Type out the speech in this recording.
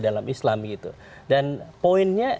dalam islam gitu dan poinnya